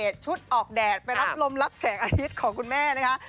ชุดออกแดดไปรับลมรับแสงอาทิตย์ของคุณแม่นะคะ